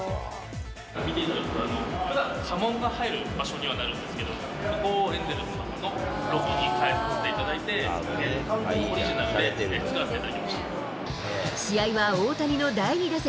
見ていただくと、ふだん、家紋が入る場所にはなるんですけど、ここをエンゼルス様のロゴに変えさせていただいて、完全オリジナ試合は大谷の第２打席。